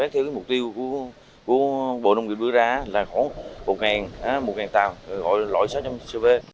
theo mục tiêu của bộ nông nghiệp bữa ra là khoảng một một tàu gọi là lỗi sáu trăm linh cv